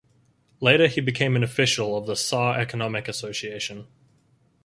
Later he became an official of the Saar Economic Association.